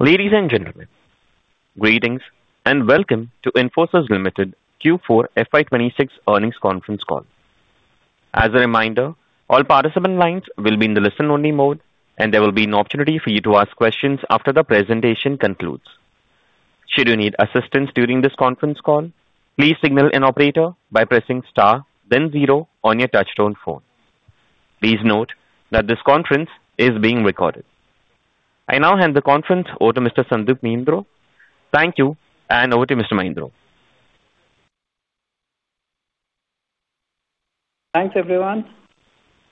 Ladies and gentlemen, greetings and welcome to Infosys Limited Q4 FY 2026 earnings conference call. As a reminder, all participant lines will be in the listen only mode, and there will be an opportunity for you to ask questions after the presentation concludes. Should you need assistance during this conference call, please signal an operator by pressing star then zero on your touchtone phone. Please note that this conference is being recorded. I now hand the conference over to Mr. Sandeep Mahindroo. Thank you, and over to Mr. Mahindroo. Thanks, everyone.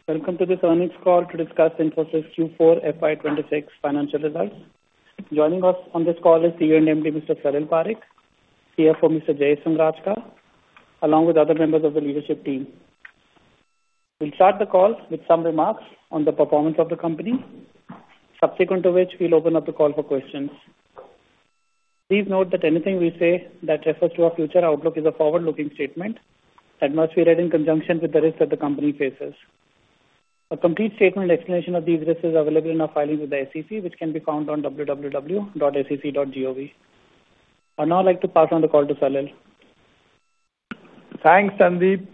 Welcome to this earnings call to discuss Infosys Q4 FY 2026 financial results. Joining us on this call is CEO and MD, Mr. Salil Parekh, CFO, Mr. Jayesh Sanghrajka, along with other members of the leadership team. We'll start the call with some remarks on the performance of the company. Subsequent to which, we'll open up the call for questions. Please note that anything we say that refers to our future outlook is a forward-looking statement that must be read in conjunction with the risks that the company faces. A complete statement explanation of these risks is available in our filings with the SEC, which can be found on www.sec.gov. I'd now like to pass on the call to Salil. Thanks, Sandeep.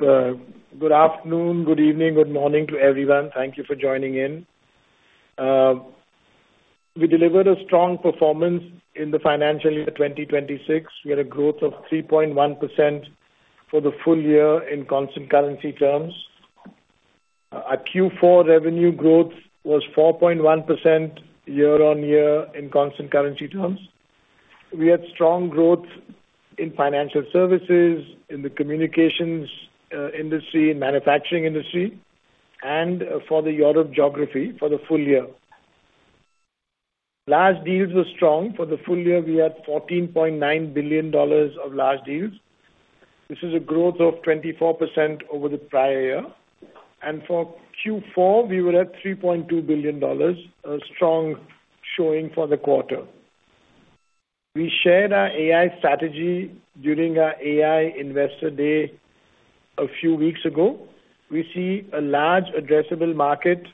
Good afternoon, good evening, good morning to everyone. Thank you for joining in. We delivered a strong performance in the financial year 2026. We had a growth of 3.1% for the full year in constant currency terms. Our Q4 revenue growth was 4.1% year-on-year in constant currency terms. We had strong growth in financial services, in the communications industry, in manufacturing industry, and for the Europe geography for the full year. Large deals were strong. For the full year, we had $14.9 billion of large deals. This is a growth of 24% over the prior year. For Q4, we were at $3.2 billion. A strong showing for the quarter. We shared our AI strategy during our AI Investor Day a few weeks ago. We see a large addressable market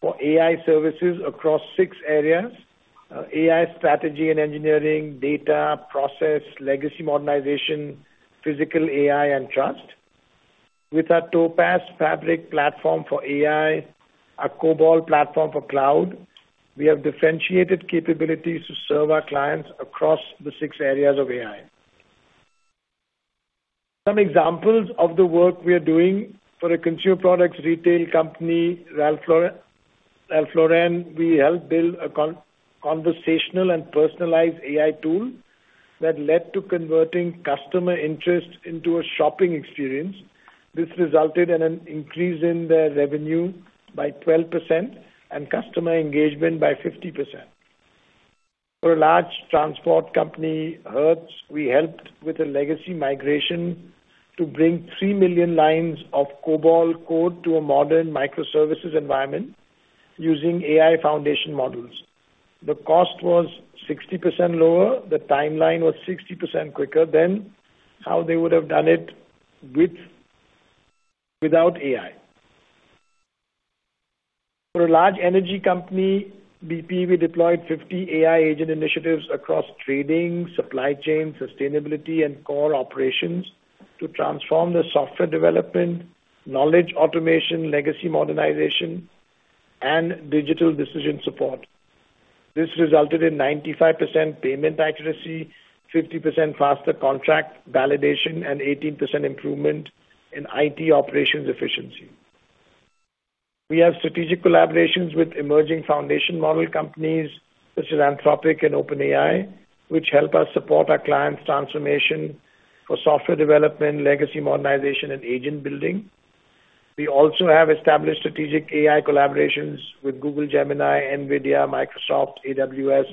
for AI services across six areas: AI strategy and engineering, data, process, legacy modernization, physical AI, and trust. With our Topaz Fabric platform for AI, our Cobalt for cloud, we have differentiated capabilities to serve our clients across the six areas of AI. Some examples of the work we are doing for a consumer products retail company, Ralph Lauren, we helped build a conversational and personalized AI tool that led to converting customer interest into a shopping experience. This resulted in an increase in their revenue by 12% and customer engagement by 50%. For a large transport company, Hertz, we helped with a legacy migration to bring 3 million lines of COBOL code to a modern microservices environment using AI foundation models. The cost was 60% lower. The timeline was 60% quicker than how they would have done it without AI. For a large energy company, BP, we deployed 50 AI agent initiatives across trading, supply chain, sustainability, and core operations to transform the software development, knowledge automation, legacy modernization, and digital decision support. This resulted in 95% payment accuracy, 50% faster contract validation, and 18% improvement in IT operations efficiency. We have strategic collaborations with emerging foundation model companies such as Anthropic and OpenAI, which help us support our clients' transformation for software development, legacy modernization, and agent building. We also have established strategic AI collaborations with Google Gemini, NVIDIA, Microsoft, AWS,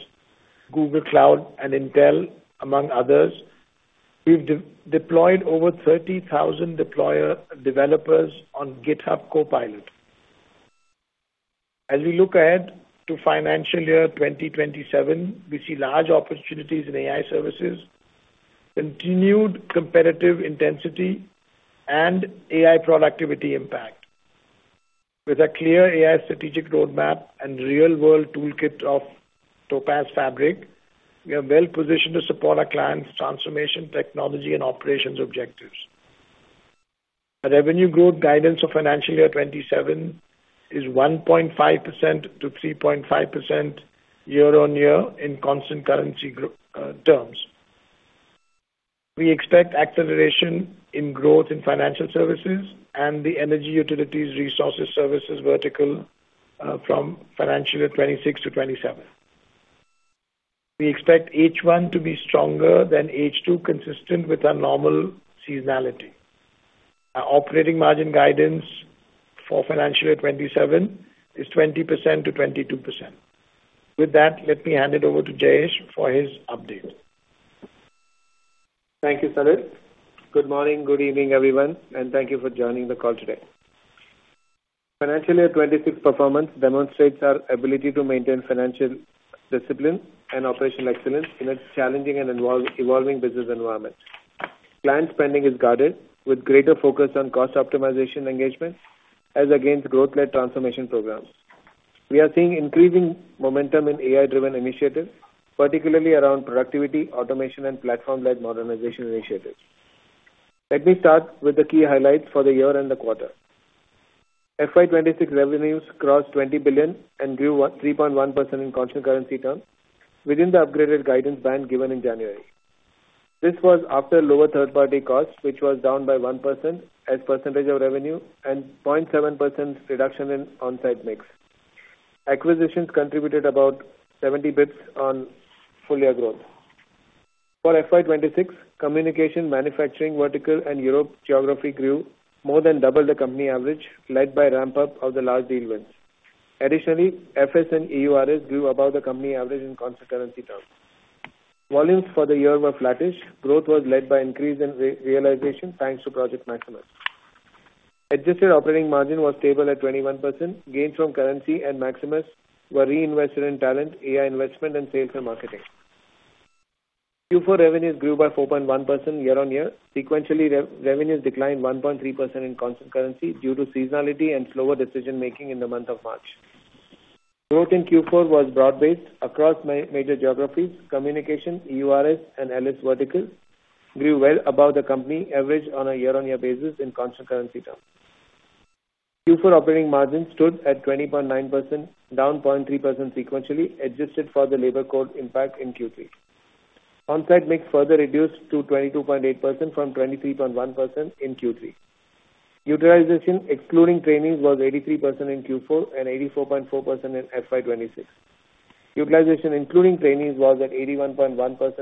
Google Cloud, and Intel, among others. We've deployed over 30,000 deployer developers on GitHub Copilot. As we look ahead to financial year 2027, we see large opportunities in AI services, continued competitive intensity, and AI productivity impact. With a clear AI strategic roadmap and real-world toolkit of Topaz Fabric, we are well positioned to support our clients' transformation technology and operations objectives. Our revenue growth guidance for financial year 2027 is 1.5%-3.5% year-on-year in constant currency terms. We expect acceleration in growth in financial services and the energy utilities resources services vertical from financial year 2026 to 2027. We expect H1 to be stronger than H2, consistent with our normal seasonality. Our operating margin guidance for financial year 2027 is 20%-22%. With that, let me hand it over to Jayesh for his update. Thank you, Salil. Good morning, good evening, everyone, and thank you for joining the call today. Financial year 2026 performance demonstrates our ability to maintain financial discipline and operational excellence in a challenging and evolving business environment. Client spending is guarded with greater focus on cost optimization engagement as against growth-led transformation programs. We are seeing increasing momentum in AI-driven initiatives, particularly around productivity, automation, and platform-led modernization initiatives. Let me start with the key highlights for the year and the quarter. FY 2026 revenues crossed $20 billion and grew 3.1% in constant currency terms within the upgraded guidance band given in January. This was after lower third-party costs, which was down by 1% as a percentage of revenue and 0.7% reduction in on-site mix. Acquisitions contributed about 70 basis points on full-year growth. For FY 2026, communications, manufacturing vertical, and Europe geography grew more than double the company average, led by ramp-up of the large deal wins. Additionally, FS and EURS grew above the company average in constant currency terms. Volumes for the year were flattish. Growth was led by increase in realization, thanks to Project Maximus. Adjusted operating margin was stable at 21%. Gains from currency and Maximus were reinvested in talent, AI investment and sales and marketing. Q4 revenues grew by 4.1% year-on-year. Sequentially, revenues declined 1.3% in constant currency due to seasonality and slower decision-making in the month of March. Growth in Q4 was broad-based across major geographies. Communications, EURS and LS verticals grew well above the company average on a year-on-year basis in constant currency terms. Q4 operating margin stood at 20.9%, down 0.3% sequentially, adjusted for the labor code impact in Q3. On-site mix further reduced to 22.8% from 23.1% in Q3. Utilization, excluding trainees, was 83% in Q4 and 84.4% in FY 2026. Utilization, including trainees, was at 81.1%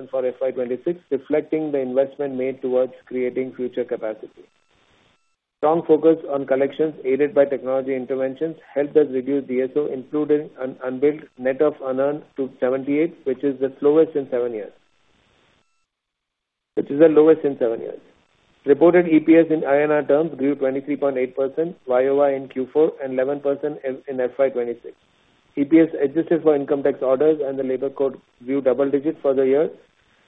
for FY 2026, reflecting the investment made towards creating future capacity. Strong focus on collections aided by technology interventions helped us reduce DSO, including unbilled net of unearned to 78, which is the lowest in seven years. Reported EPS in INR terms grew 23.8% YOY in Q4 and 11% in FY 2026. EPS adjusted for income tax orders and the labor code grew double digits for the year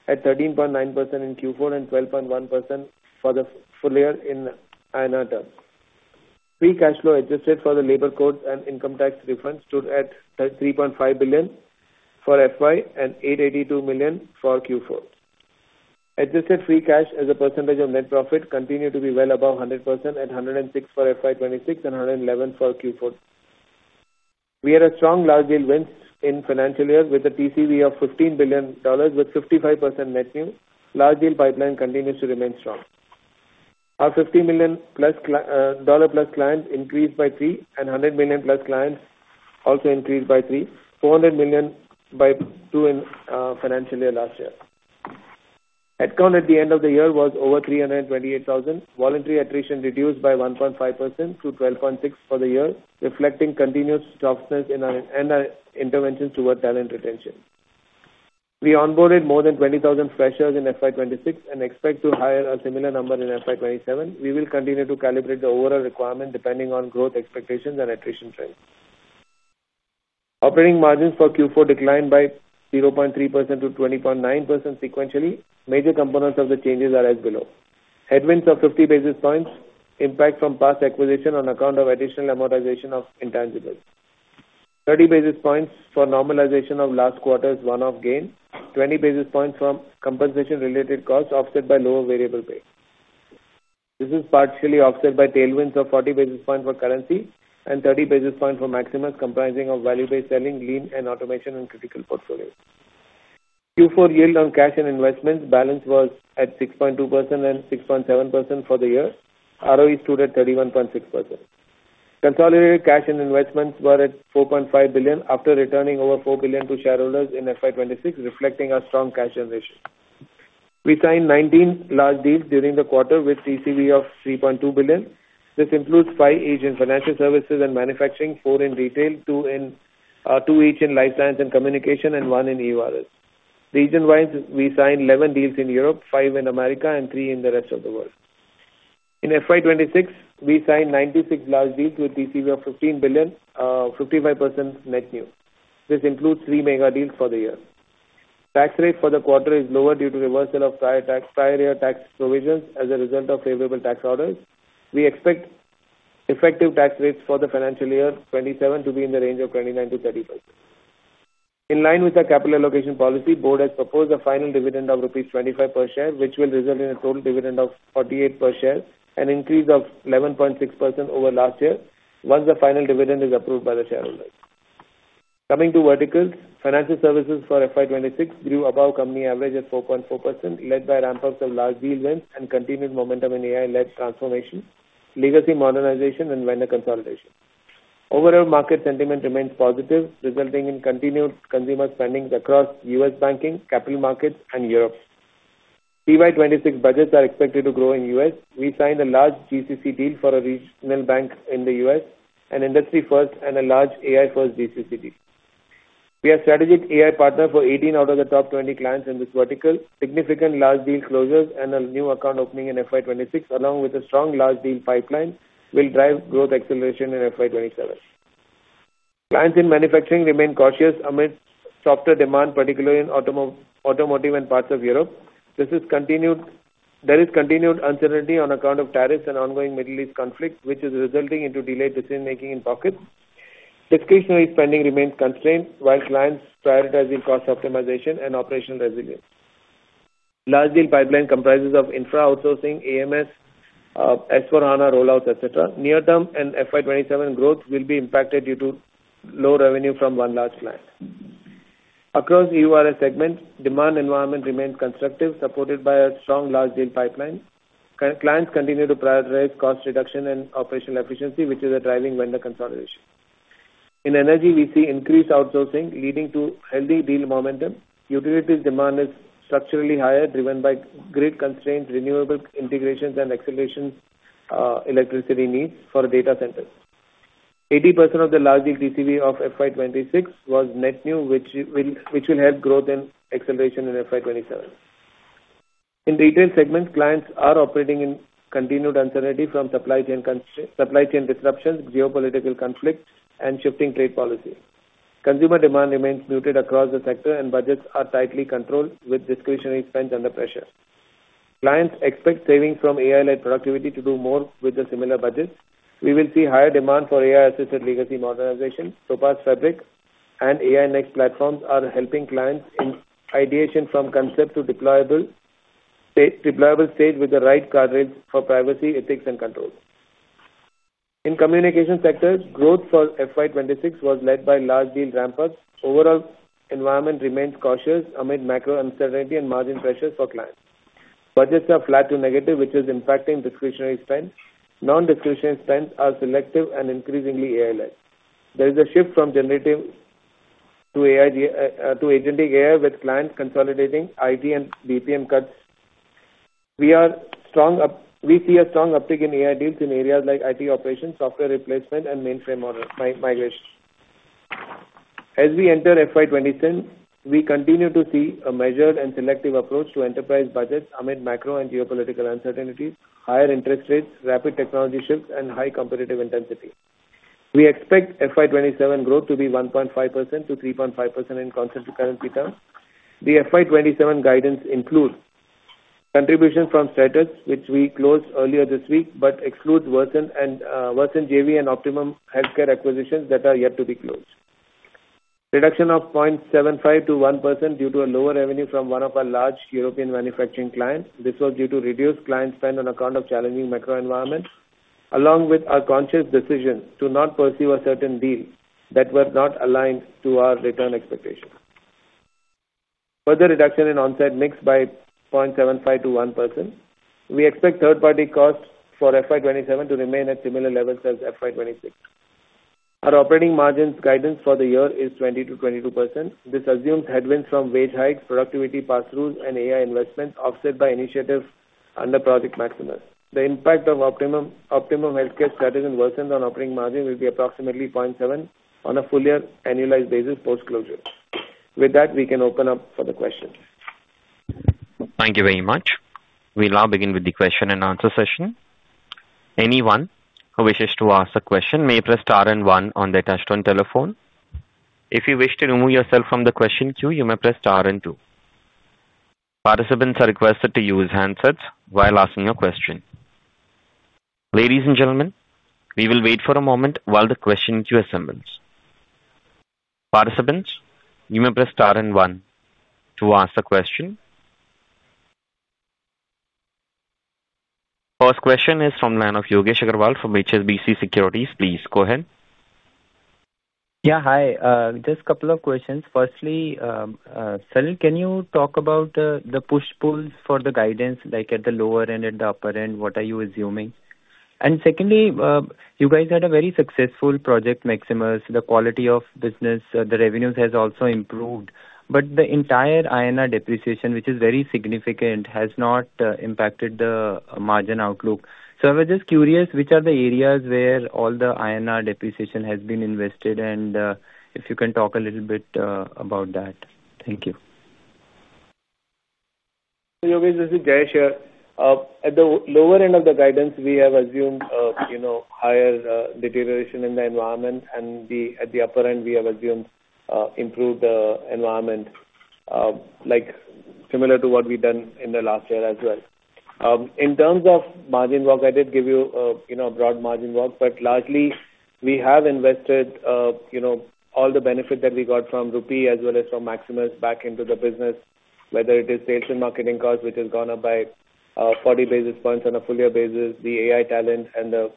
at 13.9% in Q4 and 12.1% for the full year in INR terms. Free cash flow adjusted for the labor code and income tax refunds stood at 33.5 billion for FY and 882 million for Q4. Adjusted free cash as a percentage of net profit continued to be well above 100% at 106% for FY 2026 and 111% for Q4. We had a strong large deal wins in financial year with a TCV of $15 billion with 55% net new. Large deal pipeline continues to remain strong. Our $50 million-plus clients increased by three, and $100 million-plus clients also increased by three, $400 million by two in financial year last year. Headcount at the end of the year was over 328,000. Voluntary attrition reduced by 1.5% to 12.6% for the year, reflecting continuous toughness in our interventions towards talent retention. We onboarded more than 20,000 freshers in FY 2026 and expect to hire a similar number in FY 2027. We will continue to calibrate the overall requirement depending on growth expectations and attrition trends. Operating margins for Q4 declined by 0.3% to 20.9% sequentially. Major components of the changes are as below. Headwinds of 50 basis points impact from past acquisition on account of additional amortization of intangibles. 30 basis points for normalization of last quarter's one-off gain. 20 basis points from compensation-related costs offset by lower variable pay. This is partially offset by tailwinds of 40 basis points for currency and 30 basis points for Maximus, comprising of value-based selling, lean and automation and critical portfolios. Q4 yield on cash and investments balance was at 6.2% and 6.7% for the year. ROE stood at 31.6%. Consolidated cash and investments were at $4.5 billion after returning over $4 billion to shareholders in FY 2026, reflecting our strong cash generation. We signed 19 large deals during the quarter with TCV of $3.2 billion. This includes five each in financial services and manufacturing, four in retail, two each in life science and communication, and one in EURS. Region-wise, we signed 11 deals in Europe, five in America and three in the rest of the world. In FY 2026, we signed 96 large deals with TCV of $15 billion, 55% net new. This includes three mega deals for the year. Tax rate for the quarter is lower due to reversal of prior year tax provisions as a result of favorable tax orders. We expect effective tax rates for the Financial Year 2027 to be in the range of 29%-30%. In line with our capital allocation policy, board has proposed a final dividend of rupees 25 per share, which will result in a total dividend of 48 per share, an increase of 11.6% over last year once the final dividend is approved by the shareholders. Coming to verticals. Financial services for FY 2026 grew above company average at 4.4%, led by ramp-ups of large deal wins and continued momentum in AI-led transformation, legacy modernization and vendor consolidation. Overall market sentiment remains positive, resulting in continued consumer spending across U.S. banking, capital markets, and Europe. FY 2026 budgets are expected to grow in U.S. We signed a large GCC deal for a regional bank in the U.S., an industry first and a large AI first GCC deal. We are strategic AI partner for 18 out of the top 20 clients in this vertical. Significant large deal closures and a new account opening in FY 2026, along with a strong large deal pipeline, will drive growth acceleration in FY 2027. Clients in manufacturing remain cautious amidst softer demand, particularly in automotive and parts of Europe. There is continued uncertainty on account of tariffs and ongoing Middle East conflict, which is resulting in delayed decision-making in pockets. Discretionary spending remains constrained while clients prioritize cost optimization and operational resilience. Large deal pipeline comprises infra outsourcing, AMS, S/4HANA rollouts, etcetera. Near-term and FY 2027 growth will be impacted due to low revenue from one large client. Across the EURS segment, demand environment remains constructive, supported by a strong large deal pipeline. Clients continue to prioritize cost reduction and operational efficiency, which is driving vendor consolidation. In energy, we see increased outsourcing leading to healthy deal momentum. Utilities demand is structurally higher, driven by grid constraints, renewable integrations, and accelerating electricity needs for data centers. 80% of the large deal TCV of FY 2026 was net new, which will help growth and acceleration in FY 2027. In retail segment, clients are operating in continued uncertainty from supply chain disruptions, geopolitical conflicts, and shifting trade policy. Consumer demand remains muted across the sector and budgets are tightly controlled with discretionary spend under pressure. Clients expect saving from AI-led productivity to do more with the similar budgets. We will see higher demand for AI-assisted legacy modernization. Topaz Fabric and AI Next platforms are helping clients in ideation from concept to deployable stage with the right guardrails for privacy, ethics, and controls. In communication sector, growth for FY 2026 was led by large deal ramp-ups. Overall environment remains cautious amid macro uncertainty and margin pressures for clients. Budgets are flat to negative, which is impacting discretionary spend. Non-discretionary spends are selective and increasingly AI-led. There is a shift from generative to agentic AI with clients consolidating IT and BPM cuts. We see a strong uptick in AI deals in areas like IT operations, software replacement, and mainframe migration. As we enter FY 2027, we continue to see a measured and selective approach to enterprise budgets amid macro and geopolitical uncertainties, higher interest rates, rapid technology shifts, and high competitive intensity. We expect FY 2027 growth to be 1.5%-3.5% in constant currency terms. The FY 2027 guidance includes contribution from Seterus, which we closed earlier this week, but excludes Versent JV and Optimum Healthcare acquisitions that are yet to be closed. Reduction of 0.75%-1% due to a lower revenue from one of our large European manufacturing clients. This was due to reduced client spend on account of challenging macro environment, along with our conscious decision to not pursue a certain deal that was not aligned to our return expectations. Further reduction in onshore mix by 0.75%-1%. We expect third-party costs for FY 2027 to remain at similar levels as FY 2026. Our operating margins guidance for the year is 20%-22%. This assumes headwinds from wage hikes, productivity pass-throughs and AI investments offset by initiatives under Project Maximus. The impact of Optimum Healthcare strategy on operating margin will be approximately 0.7% on a full-year annualized basis post-closure. With that, we can open up for the questions. Thank you very much. We'll now begin with the question and answer session. Anyone who wishes to ask a question may press star and one on their touchtone telephone. If you wish to remove yourself from the question queue, you may press star and two. Participants are requested to use handsets while asking a question. Ladies and gentlemen, we will wait for a moment while the question queue assembles. Participants, you may press star and one to ask the question. First question is from line of Yogesh Aggarwal from HSBC Securities. Please go ahead. Yeah. Hi. Just couple of questions. Firstly, Salil, can you talk about the push-pulls for the guidance, like at the lower end, at the upper end, what are you assuming? Secondly, you guys had a very successful Project Maximus. The quality of business, the revenues has also improved. But the entire INR depreciation, which is very significant, has not impacted the margin outlook. I was just curious which are the areas where all the INR depreciation has been invested and if you can talk a little bit about that. Thank you. Yogesh, this is Jayesh. At the lower end of the guidance we have assumed higher deterioration in the environment and at the upper end we have assumed improved environment, similar to what we've done in the last year as well. In terms of margin work, I did give you a broad margin work, but largely we have invested all the benefit that we got from Rupee as well as from Maximus back into the business, whether it is sales and marketing cost, which has gone up by 40 basis points on a full year basis, the AI talent and the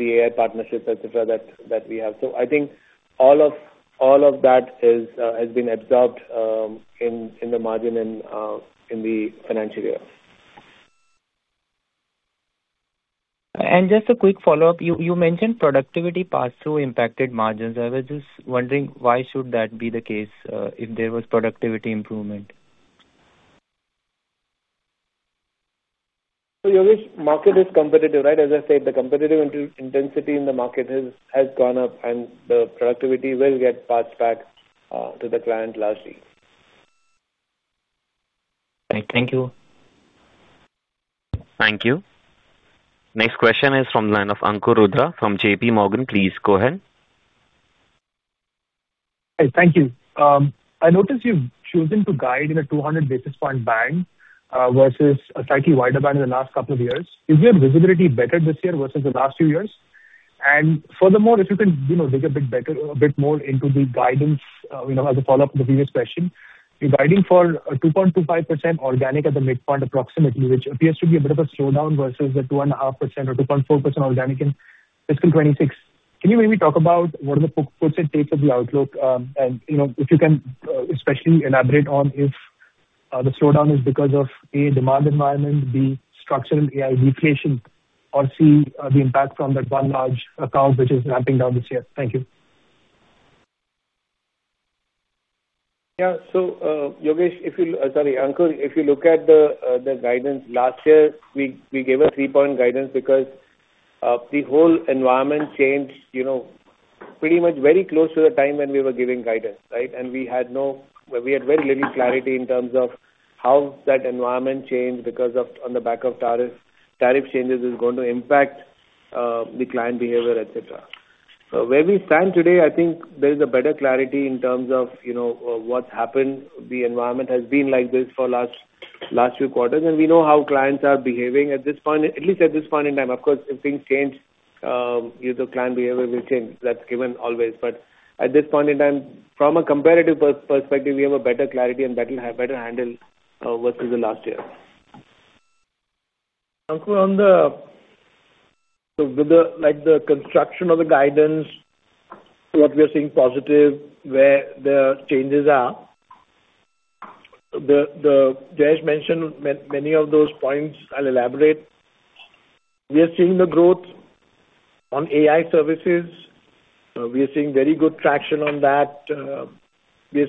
AI partnerships, etcetera, that we have. I think all of that has been absorbed in the margin in the financial year. Just a quick follow-up. You mentioned productivity pass-through impacted margins. I was just wondering why should that be the case if there was productivity improvement? Yogesh, market is competitive, right? As I said, the competitive intensity in the market has gone up and the productivity will get passed back to the client largely. Thank you. Thank you. Next question is from the line of Ankur Rudra from JPMorgan. Please go ahead. Hi. Thank you. I noticed you've chosen to guide in a 200 basis point band, versus a slightly wider band in the last couple of years. Is your visibility better this year versus the last few years? Furthermore, if you can dig a bit more into the guidance, as a follow-up to the previous question. You're guiding for a 2.25% organic at the midpoint approximately, which appears to be a bit of a slowdown versus the 2.5% or 2.4% organic in FY 2026. Can you maybe talk about what are the puts and takes of the outlook? If you can especially elaborate on if the slowdown is because of, A, demand environment, B, structural AI deflation, or C, the impact from that one large account which is ramping down this year. Thank you. Yeah. Ankur, if you look at the guidance, last year, we gave a three-point guidance because the whole environment changed pretty much very close to the time when we were giving guidance, right? We had very little clarity in terms of how that environment changed because on the back of tariff changes is going to impact the client behavior, etcetera. Where we stand today, I think there is a better clarity in terms of what's happened. The environment has been like this for last few quarters, and we know how clients are behaving, at least at this point in time. Of course, if things change, the client behavior will change. That's given always. At this point in time, from a comparative perspective, we have a better clarity and better handle, versus the last year. Ankur, on the construction of the guidance, what we are seeing positive, where the changes are. Jayesh mentioned many of those points. I'll elaborate. We are seeing the growth on AI services. We are seeing very good traction on that. We've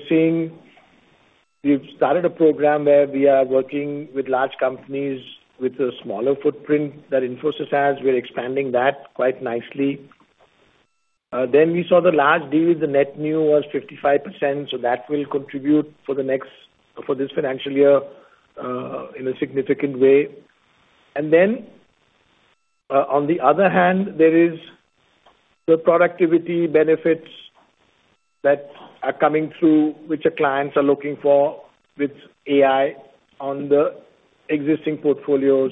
started a program where we are working with large companies with a smaller footprint that Infosys has. We're expanding that quite nicely. We saw the large deals, the net new was 55%, so that will contribute for this financial year, in a significant way. On the other hand, there is the productivity benefits that are coming through, which our clients are looking for with AI on the existing portfolios.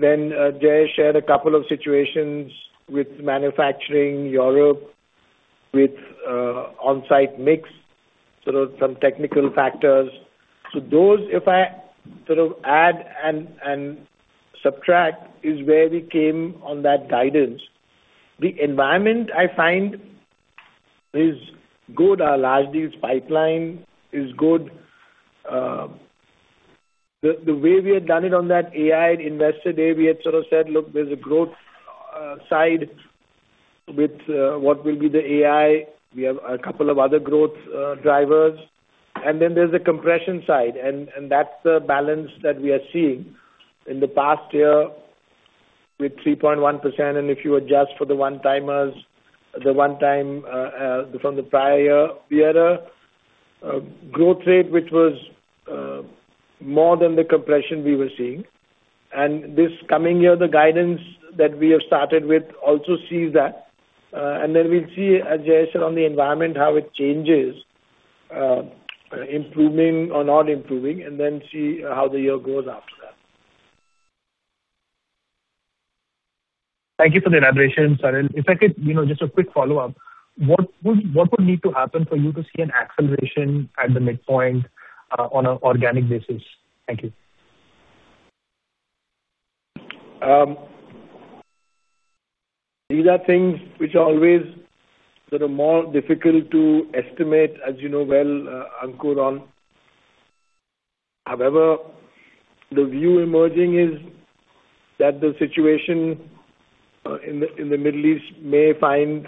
Jayesh shared a couple of situations with manufacturing Europe, with onsite mix, sort of some technical factors. Those, if I sort of add and subtract, is where we came on that guidance. The environment I find is good. Our large deals pipeline is good. The way we had done it on that AI Investor Day, we had sort of said, look, there's a growth side with what will be the AI. We have a couple of other growth drivers. There's the compression side, and that's the balance that we are seeing. In the past year with 3.1%, and if you adjust for the one-timers from the prior year, we had a growth rate which was more than the compression we were seeing. This coming year, the guidance that we have started with also sees that. We'll see, as Jayesh said, on the environment, how it changes, improving or not improving, and then see how the year goes after that. Thank you for the elaboration, Salil Parekh. If I could, just a quick follow-up. What would need to happen for you to see an acceleration at the midpoint on an organic basis? Thank you. These are things which are always sort of more difficult to estimate, as you know well, Ankur. However, the view emerging is that the situation in the Middle East may find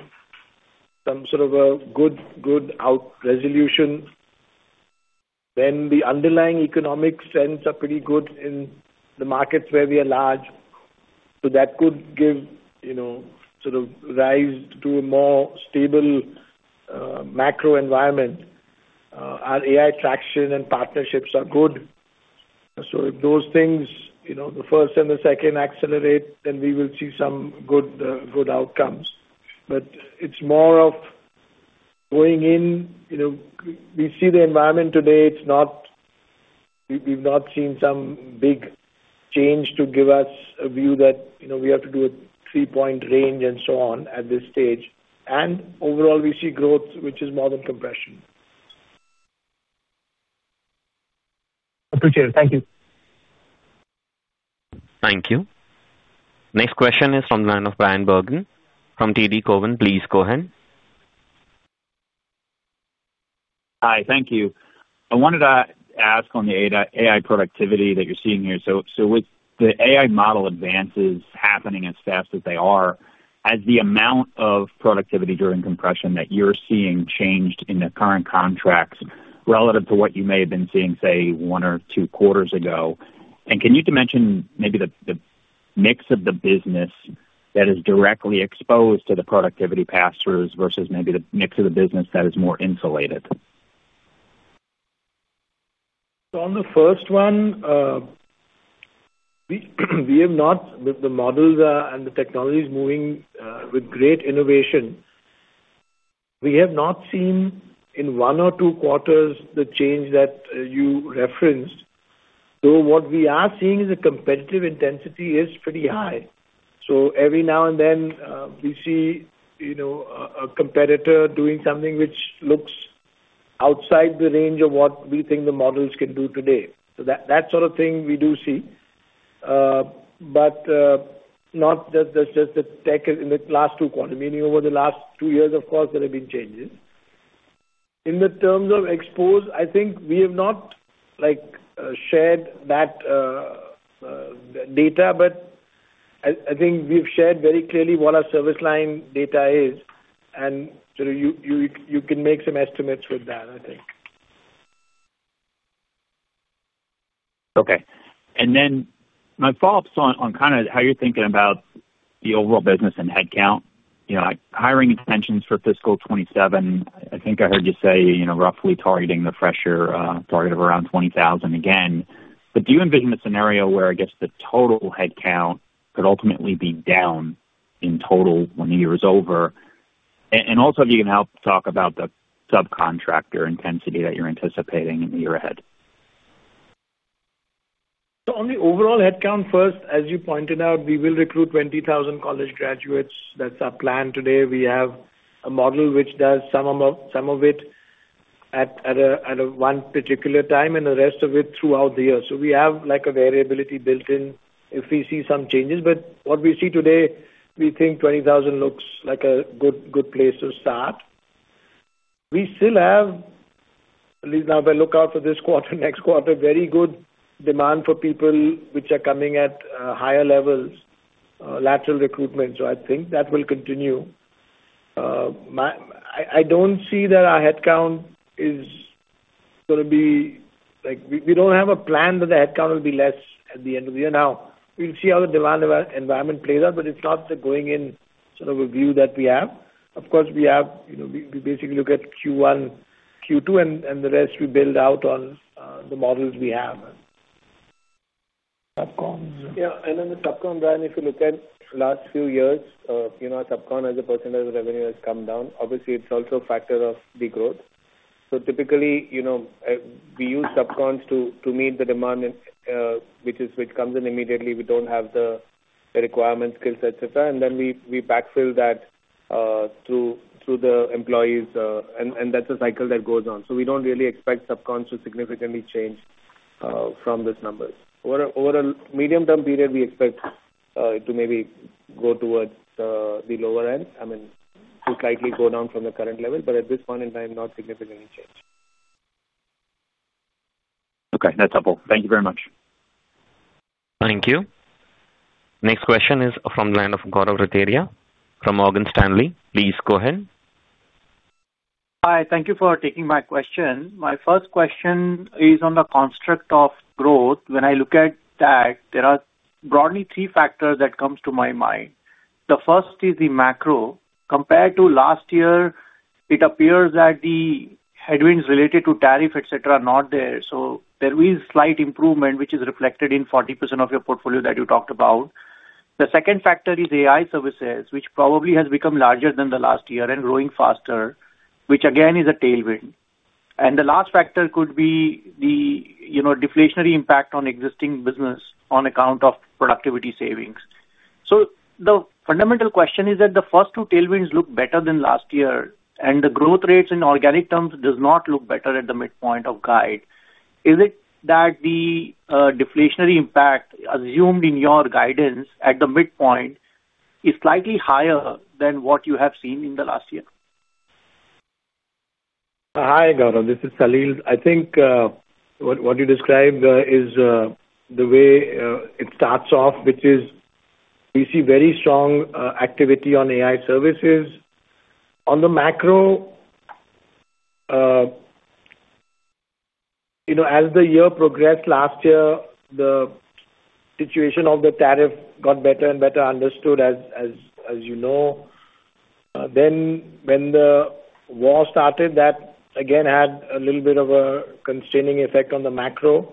some sort of a good outcome resolution. The underlying economic trends are pretty good in the markets where we are large. That could give rise to a more stable macro environment. Our AI traction and partnerships are good. If those things, the first and the second accelerate, then we will see some good outcomes. It's more of going in. We see the environment today, we've not seen some big change to give us a view that we have to do a three-point range and so on at this stage. Overall, we see growth which is more than compression. Appreciate it. Thank you. Thank you. Next question is from the line of Bryan Bergin from TD Cowen. Please go ahead. Hi. Thank you. I wanted to ask on the AI productivity that you're seeing here. With the AI model advances happening as fast as they are, has the amount of productivity during compression that you're seeing changed in the current contracts relative to what you may have been seeing, say, one or two quarters ago? And can you dimension maybe the mix of the business that is directly exposed to the productivity pass-throughs versus maybe the mix of the business that is more insulated? On the first one, the models are and the technology is moving with great innovation. We have not seen in one or two quarters the change that you referenced, though what we are seeing is the competitive intensity is pretty high. Every now and then, we see a competitor doing something which looks outside the range of what we think the models can do today. That sort of thing we do see. Not that there's just an attack in the last two quarters. Meaning over the last two years, of course, there have been changes. In terms of exposure, I think we have not shared that data, but I think we've shared very clearly what our service line data is, and so you can make some estimates with that, I think. Okay. Then my follow-up is on kind of how you're thinking about the overall business and headcount. Like hiring intentions for fiscal 2027, I think I heard you say roughly targeting the fresher target of around 20,000 again. Do you envision a scenario where, I guess, the total headcount could ultimately be down in total when the year is over? Also, if you can help talk about the subcontractor intensity that you're anticipating in the year ahead. On the overall headcount first, as you pointed out, we will recruit 20,000 college graduates. That's our plan today. We have a model which does some of it at one particular time and the rest of it throughout the year. We have a variability built in if we see some changes. What we see today, we think 20,000 looks like a good place to start. We still have, at least now if I look out for this quarter, next quarter, very good demand for people which are coming at higher levels, lateral recruitment. I think that will continue. I don't see that our headcount is going to be less. We don't have a plan that the headcount will be less at the end of the year. Now we'll see how the demand environment plays out, but it's not the going in sort of a view that we have. Of course, we basically look at Q1, Q2, and the rest we build out on the models we have. Subcons. Yeah. The Subcon, Bryan, if you look at last few years, you know the Subcons as a percentage of revenue has come down. Obviously, it's also a factor of the growth. Typically, we use Subcons to meet the demand which comes in immediately. We don't have the requirement skills, etcetera. We backfill that through the employees, and that's a cycle that goes on. We don't really expect Subcons to significantly change from these numbers. Over a medium-term period, we expect to maybe go towards the lower end. I mean, to slightly go down from the current level, but at this point in time, not significantly change. Okay, that's helpful. Thank you very much. Thank you. Next question is from the line of Gaurav Rateria from Morgan Stanley. Please go ahead. Hi. Thank you for taking my question. My first question is on the construct of growth. When I look at that, there are broadly three factors that comes to my mind. The first is the macro. Compared to last year, it appears that the headwinds related to tariff, etcetera, are not there. There is slight improvement, which is reflected in 40% of your portfolio that you talked about. The second factor is AI services, which probably has become larger than the last year and growing faster, which again, is a tailwind. The last factor could be the deflationary impact on existing business on account of productivity savings. The fundamental question is that the first two tailwinds look better than last year, and the growth rates in organic terms does not look better at the midpoint of guide. Is it that the deflationary impact assumed in your guidance at the midpoint is slightly higher than what you have seen in the last year? Hi, Gaurav. This is Salil. I think what you described is the way it starts off, which is we see very strong activity on AI services. On the macro, as the year progressed last year, the situation of the tariff got better and better understood, as you know. When the war started, that again had a little bit of a constraining effect on the macro.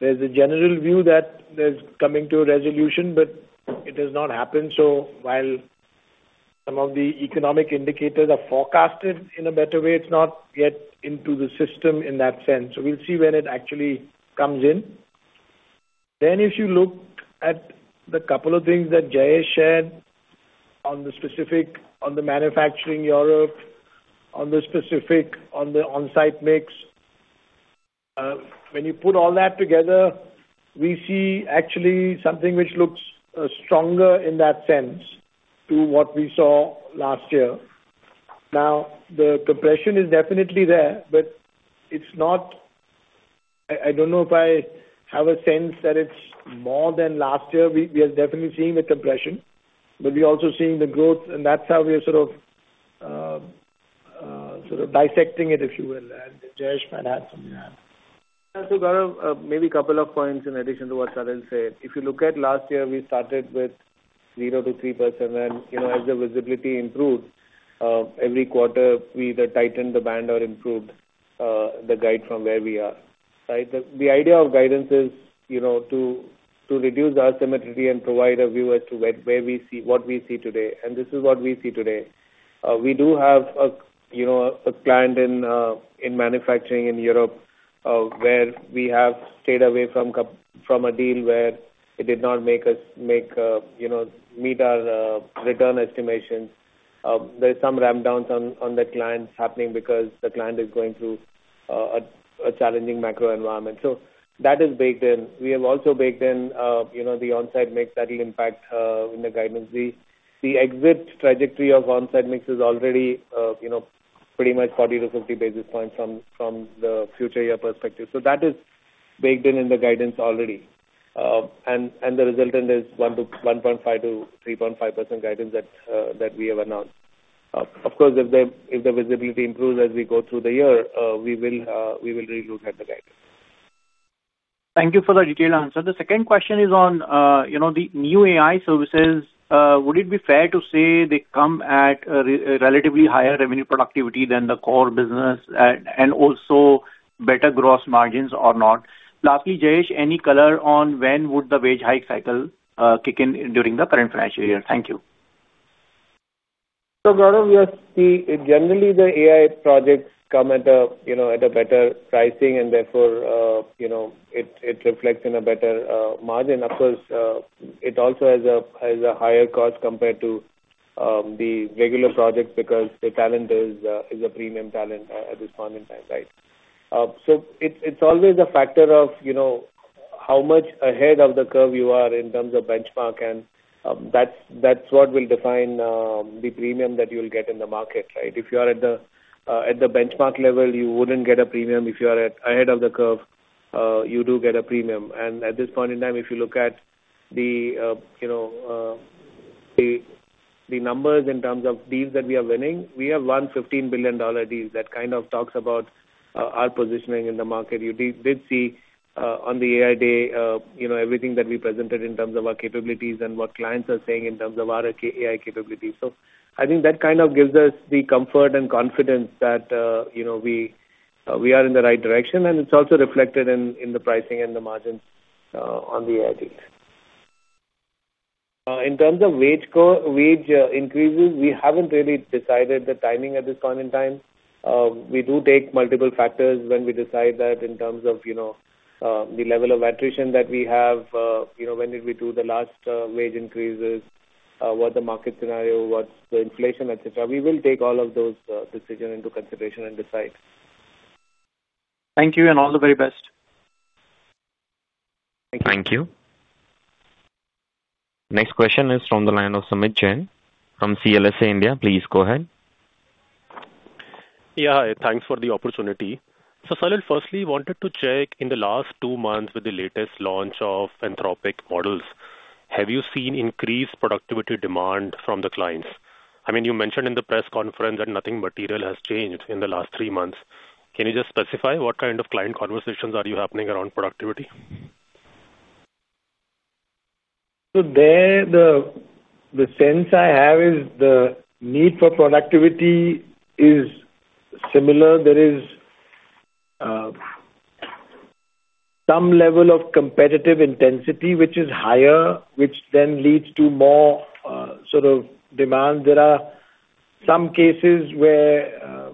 There's a general view that there's coming to a resolution, but it has not happened. While some of the economic indicators are forecasted in a better way, it's not yet into the system in that sense. We'll see when it actually comes in. If you look at the couple of things that Jayesh shared on the specific, on the manufacturing Europe, on the on-site mix, when you put all that together, we see actually something which looks stronger in that sense to what we saw last year. Now, the compression is definitely there, but it's not. I don't know if I have a sense that it's more than last year. We are definitely seeing the compression, but we're also seeing the growth, and that's how we are sort of dissecting it, if you will. Jayesh might add something there. Also, Gaurav, maybe a couple of points in addition to what Salil said. If you look at last year, we started with 0%-3%, and as the visibility improved, every quarter we either tightened the band or improved the guide from where we are. Right? The idea of guidance is to reduce the asymmetry and provide a view as to what we see today. This is what we see today. We do have a client in manufacturing in Europe where we have stayed away from a deal where it did not meet our return estimations. There's some ramp downs on that client happening because the client is going through a challenging macro environment. That is baked in. We have also baked in the onsite mix that will impact in the guidance. The exit trajectory of onsite mix is already pretty much 40-50 basis points from the future year perspective. That is baked in the guidance already. The resultant is 1.5%-3.5% guidance that we have announced. Of course, if the visibility improves as we go through the year, we will redo the guidance. Thank you for the detailed answer. The second question is on the new AI services. Would it be fair to say they come at a relatively higher revenue productivity than the core business and also better gross margins or not? Lastly, Jayesh, any color on when would the wage hike cycle kick in during the current financial year? Thank you. Gaurav, we have seen generally the AI projects come at a better pricing and therefore it reflects in a better margin. Of course, it also has a higher cost compared to the regular projects because the talent is a premium talent at this point in time, right? It's always a factor of how much ahead of the curve you are in terms of benchmark and that's what will define the premium that you'll get in the market, right? If you are at the benchmark level, you wouldn't get a premium. If you are ahead of the curve, you do get a premium. At this point in time, if you look at the numbers in terms of deals that we are winning, we have won $15 billion deals. That kind of talks about our positioning in the market. You did see on the AI Day everything that we presented in terms of our capabilities and what clients are saying in terms of our AI capabilities. I think that kind of gives us the comfort and confidence that we are in the right direction and it's also reflected in the pricing and the margins on the AI deals. In terms of wage increases, we haven't really decided the timing at this point in time. We do take multiple factors when we decide that in terms of the level of attrition that we have, when did we do the last wage increases, what the market scenario, what's the inflation, etcetera. We will take all of those decisions into consideration and decide. Thank you and all the very best. Thank you. Thank you. Next question is from the line of Sumeet Jain from CLSA India. Please go ahead. Yeah, thanks for the opportunity. Salil, firstly, wanted to check in the last two months with the latest launch of Anthropic models, have you seen increased productivity demand from the clients? I mean, you mentioned in the press conference that nothing material has changed in the last three months. Can you just specify what kind of client conversations are happening around productivity? There, the sense I have is the need for productivity is similar. There is some level of competitive intensity which is higher, which then leads to more sort of demand. There are some cases where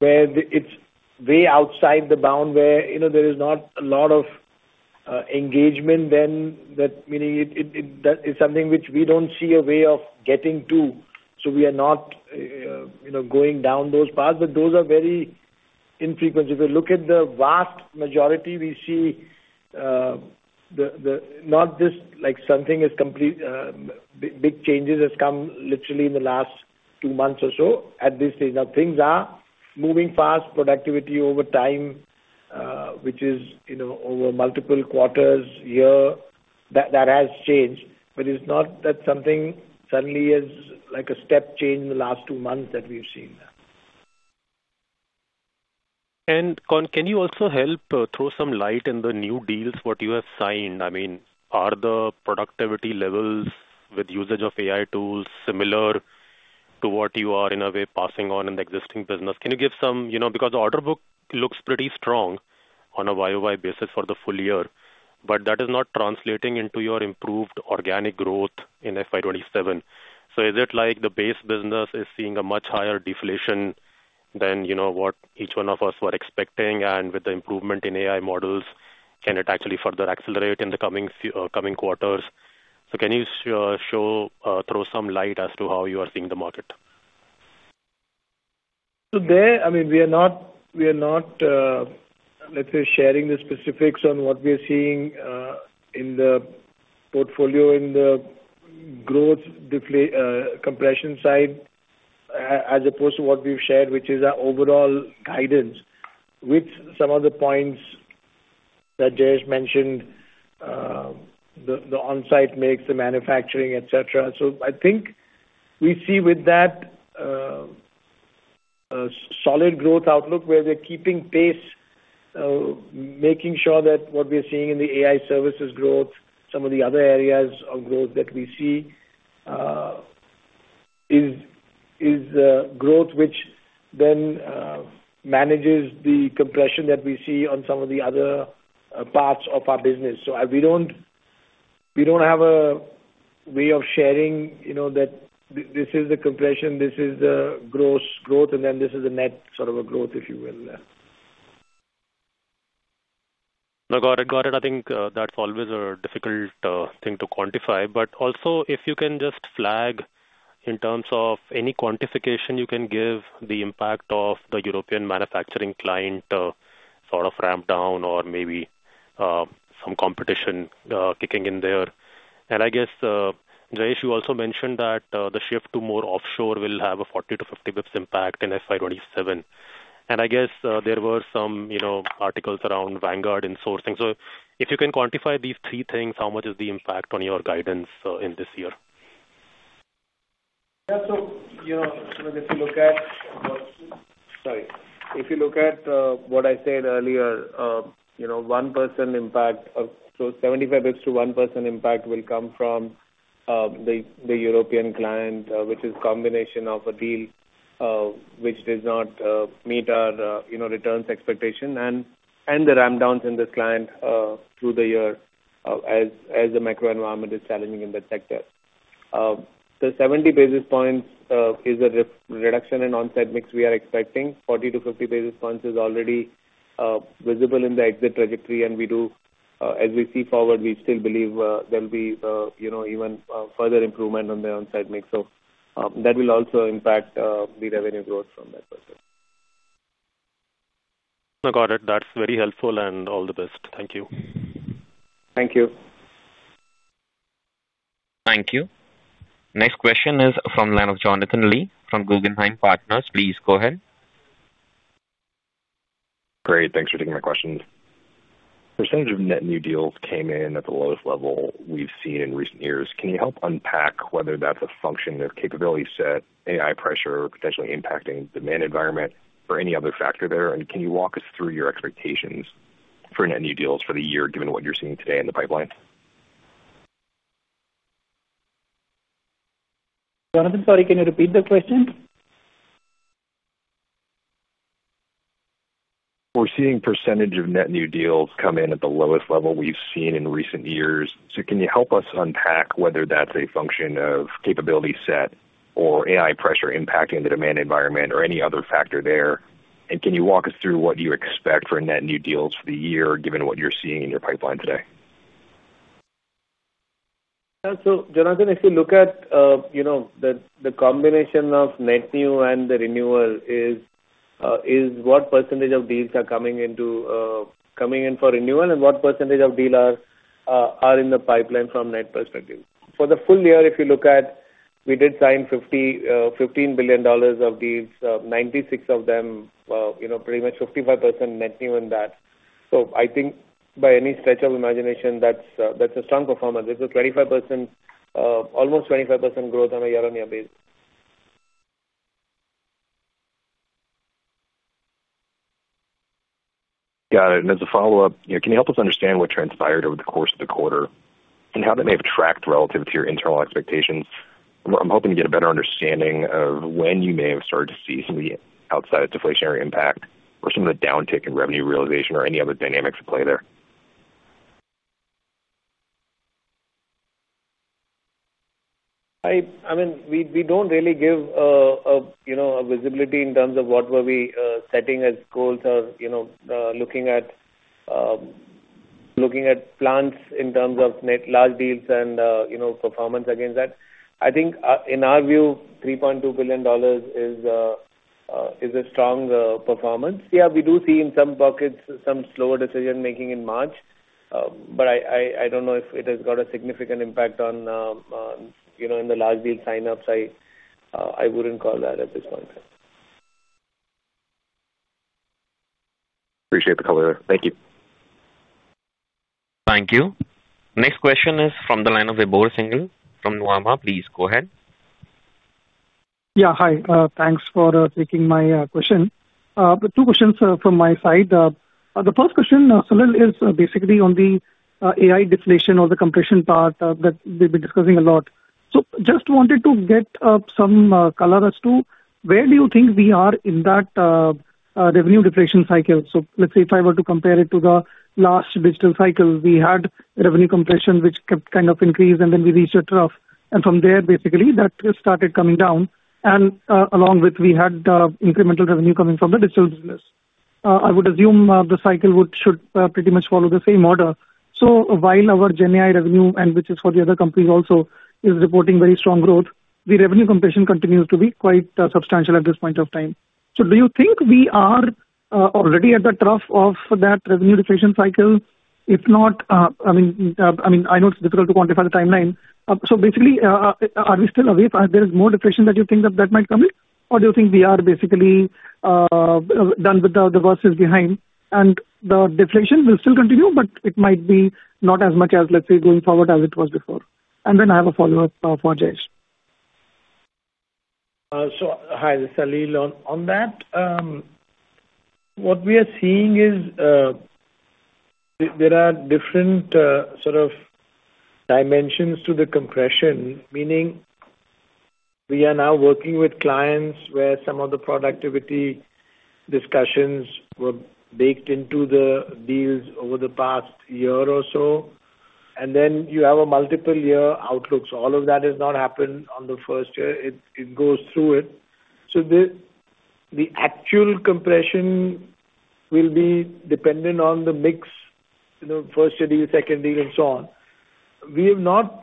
it's way outside the bound where there is not a lot of engagement then, meaning that is something which we don't see a way of getting to. We are not going down those paths. Those are very infrequent. If you look at the vast majority, we see not just something is complete, big changes has come literally in the last two months or so at this stage. Now things are moving fast, productivity over time, which is over multiple quarters, year that has changed. It's not that something suddenly is like a step change in the last two months that we've seen. Can you also help throw some light in the new deals what you have signed? I mean, are the productivity levels with usage of AI tools similar to what you are in a way passing on in the existing business? Can you give? Because the order book looks pretty strong on a YOY basis for the full year. That is not translating into your improved organic growth in FY 2027. Is it like the base business is seeing a much higher deflation than what each one of us were expecting? With the improvement in AI models, can it actually further accelerate in the coming quarters? Can you throw some light as to how you are seeing the market? there, we are not, let's say, sharing the specifics on what we are seeing in the portfolio in the growth compression side as opposed to what we've shared, which is our overall guidance with some of the points. That Jayesh mentioned, the on-site makes the manufacturing, etcetera. I think we see with that a solid growth outlook where we're keeping pace, making sure that what we are seeing in the AI services growth, some of the other areas of growth that we see is growth, which then manages the compression that we see on some of the other parts of our business. We don't have a way of sharing, that this is the compression, this is the growth, and then this is the net sort of a growth, if you will. No, got it. I think that's always a difficult thing to quantify, but also if you can just flag in terms of any quantification you can give the impact of the European manufacturing client sort of ramp down or maybe some competition kicking in there. I guess, Jayesh, you also mentioned that the shift to more offshore will have a 40-50 basis points impact in FY 2027. I guess there were some articles around Vanguard insourcing. If you can quantify these three things, how much is the impact on your guidance in this year? If you look at what I said earlier, 75 basis points to 1% impact will come from the European client, which is combination of a deal, which does not meet our returns expectation and the ramp downs in this client through the year as the macro environment is challenging in that sector. 70 basis points is a reduction in on-site mix we are expecting. 40-50 basis points is already visible in the exit trajectory and as we go forward, we still believe there'll be even further improvement on the on-site mix. That will also impact the revenue growth from that perspective. No, got it. That's very helpful. All the best. Thank you. Thank you. Thank you. Next question is from the line of Jonathan Lee from Guggenheim Partners. Please go ahead. Great, thanks for taking my questions. Percentage of net new deals came in at the lowest level we've seen in recent years. Can you help unpack whether that's a function of capability set, AI pressure potentially impacting demand environment or any other factor there? Can you walk us through your expectations for net new deals for the year, given what you're seeing today in the pipeline? Jonathan, sorry, can you repeat the question? We're seeing percentage of net new deals come in at the lowest level we've seen in recent years. Can you help us unpack whether that's a function of capability set or AI pressure impacting the demand environment or any other factor there? Can you walk us through what you expect for net new deals for the year, given what you're seeing in your pipeline today? Yeah. Jonathan, if you look at the combination of net new and the renewal is what percentage of deals are coming in for renewal and what percentage of deal are in the pipeline from net perspective. For the full year if you look at, we did sign $15 billion of deals, 96 of them, pretty much 55% net new in that. I think by any stretch of imagination, that's a strong performance. This is almost 25% growth on a year-on-year basis. Got it. As a follow-up, can you help us understand what transpired over the course of the quarter and how that may have tracked relative to your internal expectations? I'm hoping to get a better understanding of when you may have started to see some of the outside deflationary impact or some of the downtick in revenue realization or any other dynamics at play there. We don't really give a visibility in terms of what were we setting as goals or looking at plans in terms of net large deals and performance against that. I think in our view, $3.2 billion is a strong performance. Yeah, we do see in some pockets some slower decision-making in March. I don't know if it has got a significant impact in the large deal sign-ups. I wouldn't call that at this point in time. Appreciate the color there. Thank you. Thank you. Next question is from the line of Vibhor Singhal from Nuvama. Please go ahead. Yeah. Hi. Thanks for taking my question. Two questions from my side. The first question, Salil, is basically on the AI deflation or the compression part that we've been discussing a lot. Just wanted to get some color as to where do you think we are in that revenue deflation cycle. Let's say if I were to compare it to the last digital cycle, we had revenue compression which kept kind of increased and then we reached a trough, and from there basically that risk started coming down and along with we had incremental revenue coming from the digital business. I would assume the cycle should pretty much follow the same order. While our GenAI revenue and which is for the other companies also is reporting very strong growth, the revenue compression continues to be quite substantial at this point of time. Do you think we are already at the trough of that revenue deflation cycle? If not, I know it's difficult to quantify the timeline, so basically, are we still a ways away? Is there more deflation that you think might come in? Or do you think we are basically done, with the worst behind and the deflation will still continue, but it might be not as much as, let's say, going forward as it was before. Then I have a follow-up for Jayesh. Hi, this is Salil. On that, what we are seeing is there are different sort of dimensions to the compression, meaning we are now working with clients where some of the productivity discussions were baked into the deals over the past year or so. Then you have multiple year outlooks. All of that has not happened on the first year. It goes through it. The actual compression will be dependent on the mix, first year deal, second deal, and so on. We've not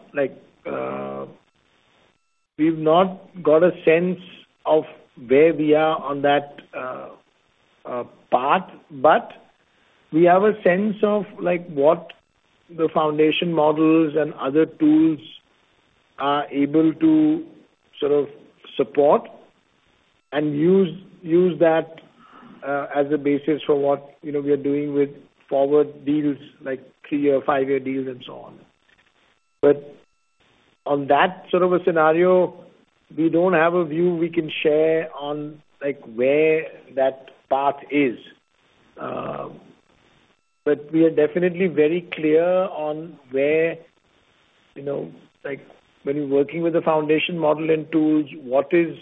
got a sense of where we are on that path, but we have a sense of what the foundation models and other tools are able to sort of support and use that as a basis for what we are doing with forward deals, like three-year, five-year deals and so on. On that sort of a scenario, we don't have a view we can share on where that path is. We are definitely very clear on where, when you're working with a foundation model and tools, what is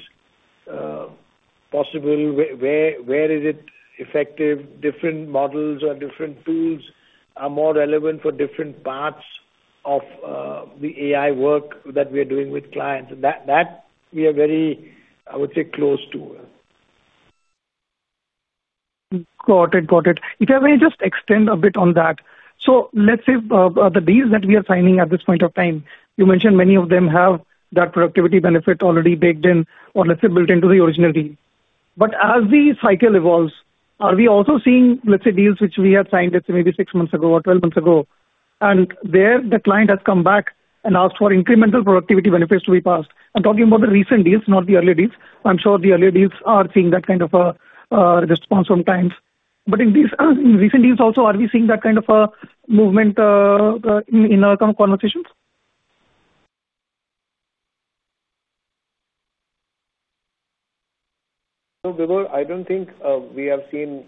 possible, where is it effective? Different models or different tools are more relevant for different parts of the AI work that we are doing with clients. That we are very, I would say, close to. Got it. If I may just extend a bit on that. Let's say the deals that we are signing at this point of time, you mentioned many of them have that productivity benefit already baked in or, let's say, built into the original deal. As the cycle evolves, are we also seeing, let's say, deals which we had signed, let's say maybe 6 months ago or 12 months ago, and there the client has come back and asked for incremental productivity benefits to be passed? I'm talking about the recent deals, not the earlier deals. I'm sure the earlier deals are seeing that kind of a response sometimes. In recent deals also, are we seeing that kind of a movement in our conversations? No, Vibhor, I don't think we have seen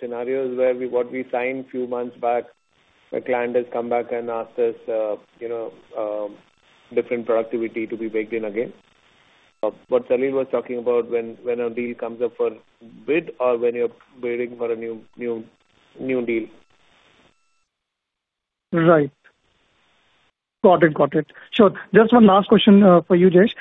scenarios where what we signed a few months back, a client has come back and asked us different productivity to be baked in again. What Salil was talking about when a deal comes up for bid or when you're bidding for a new deal. Right. Got it. Sure. Just one last question for you, Jayesh.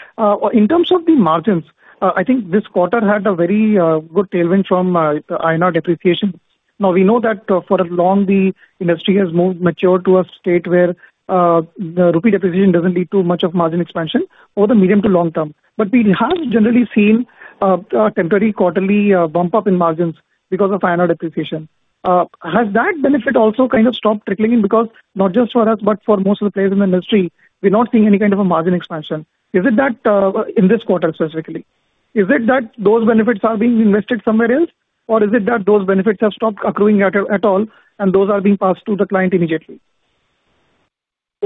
In terms of the margins, I think this quarter had a very good tailwind from INR depreciation. Now, we know that for long the industry has matured to a state where the rupee depreciation doesn't lead to much of margin expansion over the medium to long term. We have generally seen a temporary quarterly bump up in margins because of INR depreciation. Has that benefit also kind of stopped trickling in because not just for us, but for most of the players in the industry, we're not seeing any kind of a margin expansion in this quarter specifically? Is it that those benefits are being invested somewhere else? Or is it that those benefits have stopped accruing at all and those are being passed to the client immediately?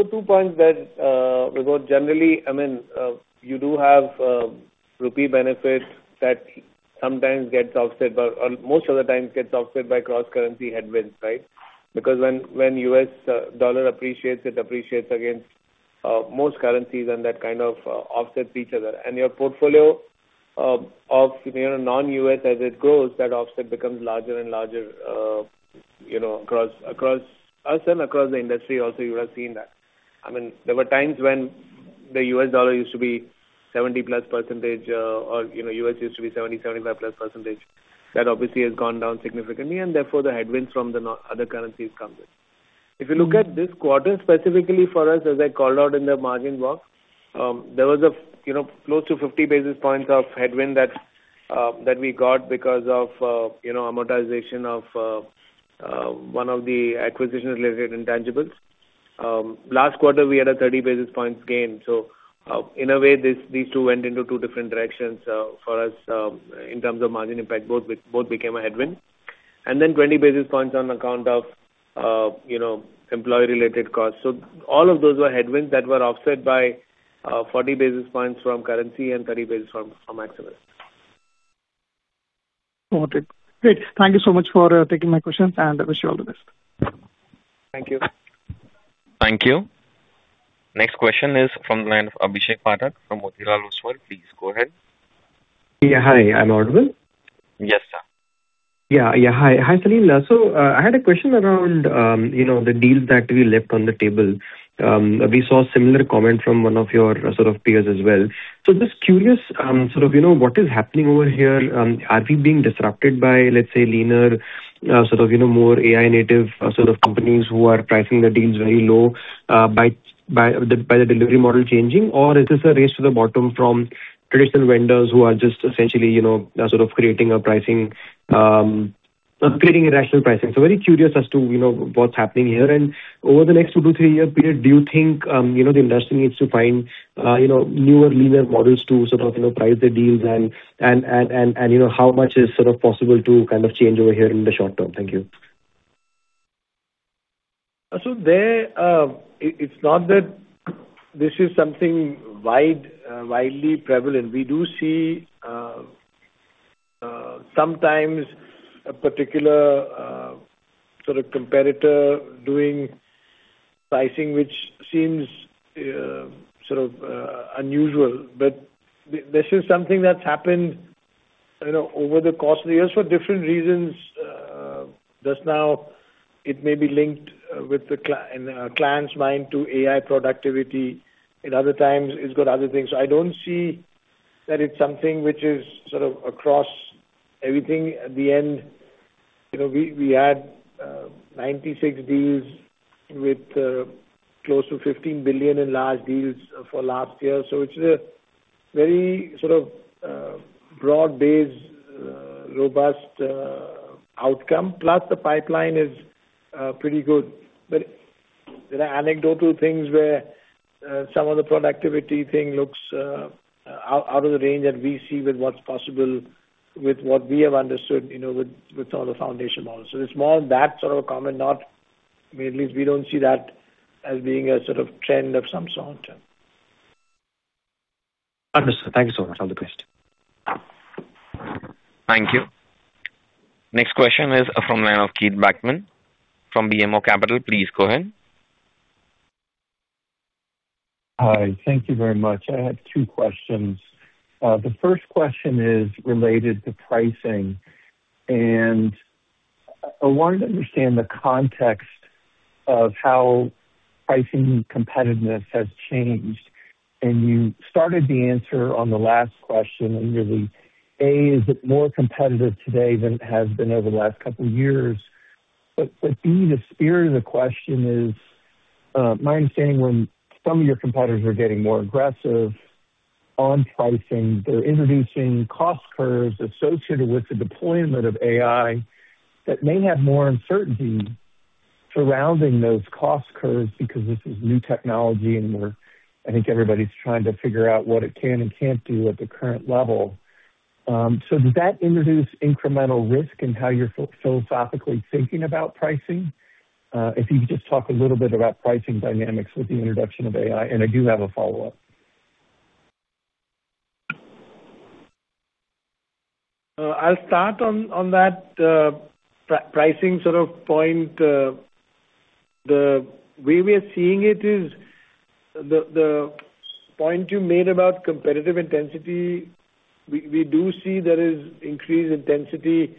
Two points there, Vibhor. Generally, you do have rupee benefits that sometimes gets offset by, or most of the time gets offset by cross-currency headwinds, right? Because when U.S. dollar appreciates, it appreciates against most currencies and that kind of offsets each other. Your portfolio of non-U.S. as it grows, that offset becomes larger and larger across us and across the industry also, you have seen that. There were times when the U.S. dollar used to be 70+%, or U.S. used to be 70, 75+%. That obviously has gone down significantly, and therefore the headwinds from the other currencies comes in. If you look at this quarter, specifically for us, as I called out in the margin walk, there was close to 50 basis points of headwind that we got because of amortization of one of the acquisition-related intangibles. Last quarter, we had a 30 basis points gain. In a way, these two went into two different directions for us in terms of margin impact. Both became a headwind, 20 basis points on account of employee-related costs. All of those were headwinds that were offset by 40 basis points from currency and 30 basis from Maximus. Got it. Great. Thank you so much for taking my questions, and I wish you all the best. Thank you. Thank you. Next question is from the line of Abhishek Pathak from Motilal Oswal. Please go ahead. Yeah. Hi, I'm audible? Yes, sir. Hi, Salil. I had a question around the deals that we left on the table. We saw a similar comment from one of your sort of peers as well. Just curious, sort of what is happening over here? Are we being disrupted by, let's say, leaner sort of more AI-native sort of companies who are pricing the deals very low by the delivery model changing? Or is this a race to the bottom from traditional vendors who are just essentially sort of creating irrational pricing? Very curious as to what's happening here. Over the next two to three-year period, do you think the industry needs to find newer linear models to sort of price their deals and how much is possible to kind of change over here in the short term? Thank you. There, it's not that this is something widely prevalent. We do see sometimes a particular sort of competitor doing pricing which seems sort of unusual. This is something that's happened over the course of years for different reasons. Just now, it may be linked in a client's mind to AI productivity. In other times, it's got other things. I don't see that it's something which is sort of across everything. At the end, we had 96 deals with close to $15 billion in large deals for last year. It's a very sort of broad-based, robust outcome. Plus, the pipeline is pretty good. There are anecdotal things where some of the productivity thing looks out of the range that we see with what's possible with what we have understood with some of the foundation models. It's more of that sort of a comment, not at least we don't see that as being a sort of trend of some sort. Understood. Thank you so much. I'll request. Thank you. Next question is from the line of Keith Bachman from BMO Capital. Please go ahead. Hi. Thank you very much. I have two questions. The first question is related to pricing, and I wanted to understand the context of how pricing competitiveness has changed, and you started the answer on the last question under the A. Is it more competitive today than it has been over the last couple of years? B, the spirit of the question is, my understanding when some of your competitors are getting more aggressive on pricing, they're introducing cost curves associated with the deployment of AI that may have more uncertainty surrounding those cost curves because this is new technology and I think everybody's trying to figure out what it can and can't do at the current level. Does that introduce incremental risk in how you're philosophically thinking about pricing? If you could just talk a little bit about pricing dynamics with the introduction of AI, and I do have a follow-up? I'll start on that pricing sort of point. The way we are seeing it is the point you made about competitive intensity, we do see there is increased intensity.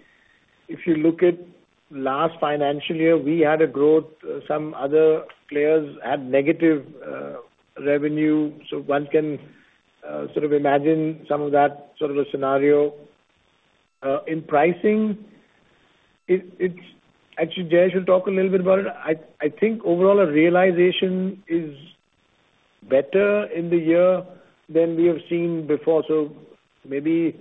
If you look at last financial year, we had a growth, some other players had negative revenue. One can sort of imagine some of that sort of a scenario. In pricing, actually, Jayesh will talk a little bit about it. I think overall our realization is better in the year than we have seen before. Maybe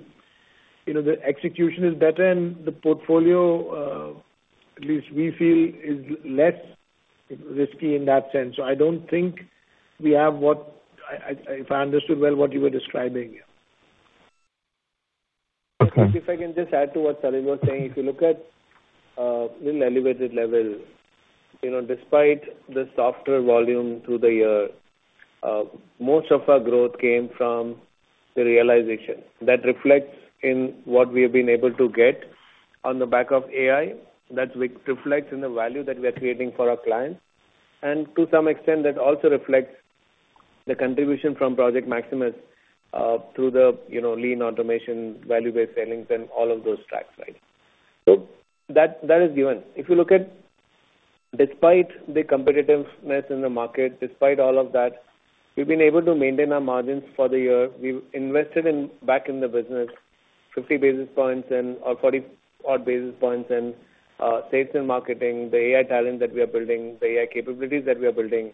the execution is better and the portfolio, at least we feel is less risky in that sense. I don't think we have what, if I understood well what you were describing. If I can just add to what Salil was saying. If you look at a little elevated level, despite the softer volume through the year, most of our growth came from the realization. That reflects in what we have been able to get on the back of AI. That reflects in the value that we are creating for our clients. To some extent, that also reflects the contribution from Project Maximus, through the lean automation, value-based selling, and all of those tracks. That is given. If you look at, despite the competitiveness in the market, despite all of that, we've been able to maintain our margins for the year. We've invested back in the business 50 basis points, or 40-odd basis points in sales and marketing, the AI talent that we are building, the AI capabilities that we are building,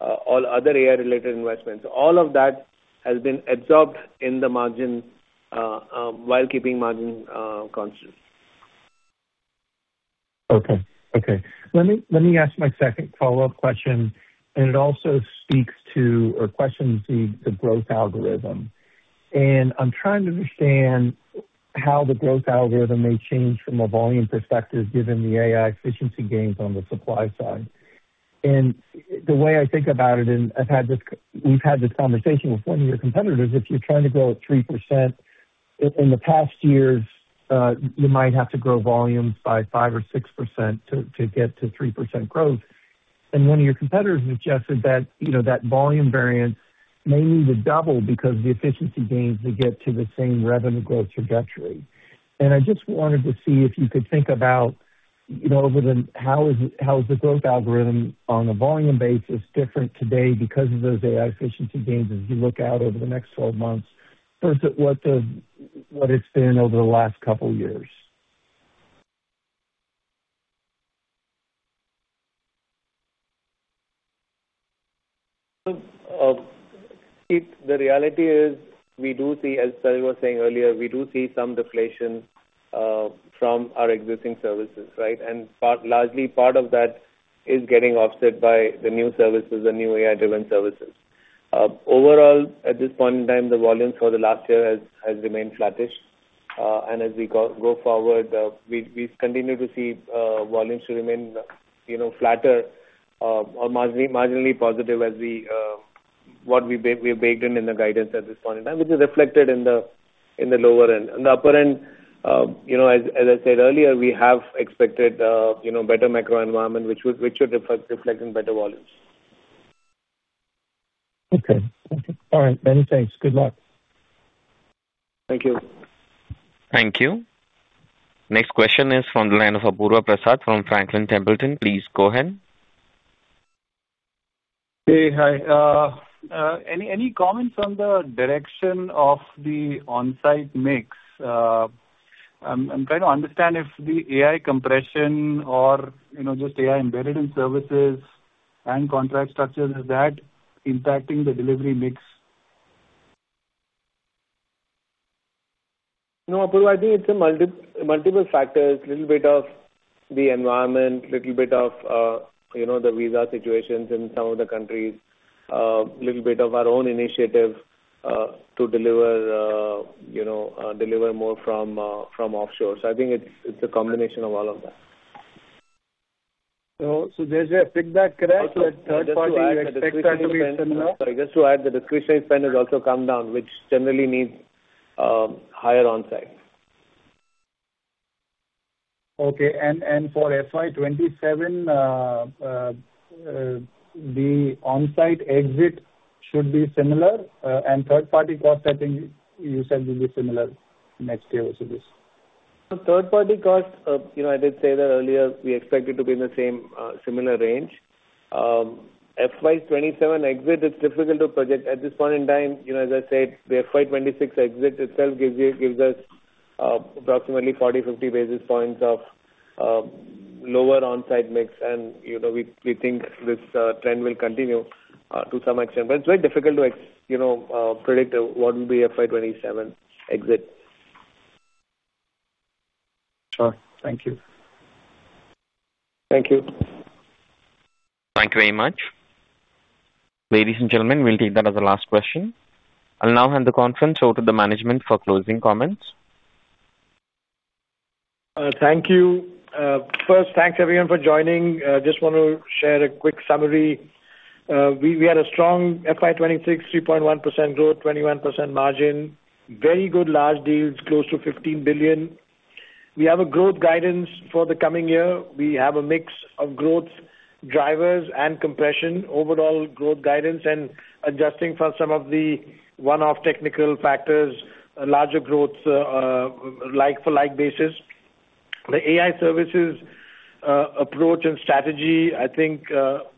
all other AI related investments. All of that has been absorbed in the margin, while keeping margin conscious. Okay. Let me ask my second follow-up question, and it also speaks to or questions the growth algorithm. I'm trying to understand how the growth algorithm may change from a volume perspective given the AI efficiency gains on the supply side. The way I think about it, and we've had this conversation with one of your competitors, if you're trying to grow at 3% in the past years, you might have to grow volumes by 5% or 6% to get to 3% growth. One of your competitors suggested that volume variance may need to double because of the efficiency gains to get to the same revenue growth trajectory. I just wanted to see if you could think about how is the growth algorithm on a volume basis different today because of those AI efficiency gains as you look out over the next 12 months versus what it's been over the last couple of years? Keith, the reality is, as Salil was saying earlier, we do see some deflation from our existing services, right? Largely part of that is getting offset by the new services and new AI-driven services. Overall, at this point in time, the volumes for the last year has remained flattish. As we go forward, we continue to see volumes remain flatter or marginally positive as what we have baked in the guidance at this point in time, which is reflected in the lower end. In the upper end, as I said earlier, we have expected better macro environment, which should reflect in better volumes. Okay. Thank you. All right, many thanks. Good luck. Thank you. Thank you. Next question is from the line of Apurva Prasad from Franklin Templeton. Please go ahead. Hey. Hi. Any comments on the direction of the onsite mix? I'm trying to understand if the AI compression or just AI embedded in services and contract structures, is that impacting the delivery mix? No, Apurva. I think it's multiple factors. Little bit of the environment, little bit of the visa situations in some of the countries. Little bit of our own initiative to deliver more from offshore. I think it's a combination of all of that. There's a pushback, correct? That third party you expect that to be similar. Sorry, just to add, the discretionary spend has also come down, which generally means higher onsite. Okay. For FY 2027, the onsite mix should be similar, and third-party cost, I think you said, will be similar next year also this. The third party cost, I did say that earlier, we expect it to be in the same similar range. FY 2027 exit, it's difficult to project at this point in time. As I said, the FY 2026 exit itself gives us approximately 40-50 basis points of lower onsite mix. We think this trend will continue to some extent. It's very difficult to predict what will be FY 2027 exit. Sure. Thank you. Thank you. Thank you very much. Ladies and gentlemen, we'll take that as the last question. I'll now hand the conference over to the management for closing comments. Thank you. First, thanks, everyone, for joining. Just want to share a quick summary. We had a strong FY 2026, 3.1% growth, 21% margin. Very good large deals, close to $15 billion. We have a growth guidance for the coming year. We have a mix of growth drivers and compression, overall growth guidance, and adjusting for some of the one-off technical factors, a larger growth like-for-like basis. The AI services approach and strategy, I think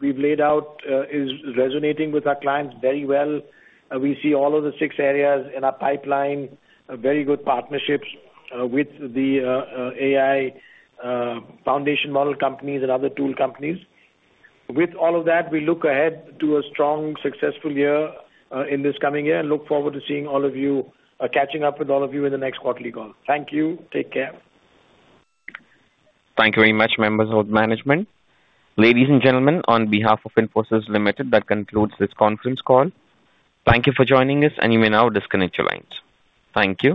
we've laid out, is resonating with our clients very well. We see all of the six areas in our pipeline, very good partnerships with the AI foundation model companies and other tool companies. With all of that, we look ahead to a strong, successful year in this coming year and look forward to seeing all of you, catching up with all of you in the next quarterly call. Thank you. Take care. Thank you very much, members of management. Ladies and gentlemen, on behalf of Infosys Limited, that concludes this conference call. Thank you for joining us, and you may now disconnect your lines. Thank you.